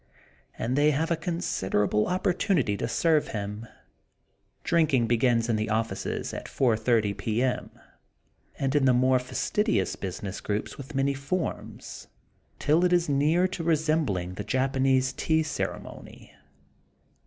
And they have a considerable opportunity to serve him. Drinking begins in the offices at 4.30 P. M. and in the more fas tidious business groups with many forms, till it is near to resembling the Japanese tea ceremony.